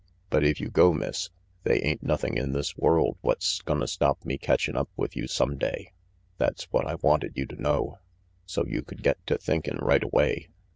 But if you go, Miss, they ain't nothing in this world what's gonna stop me catchin' up with you some day. That's what I wanted you to know, so you could get to thinkin' right away."